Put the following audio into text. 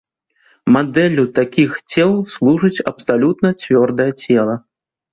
Мадэллю такіх цел служыць абсалютна цвёрдае цела.